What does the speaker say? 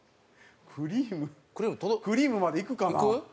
クリームクリームまでいくかな？